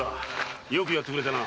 よくやってくれたな。